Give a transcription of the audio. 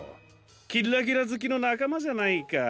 キッラキラずきのなかまじゃないか。